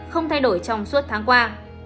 không thay đổi trong suốt tháng qua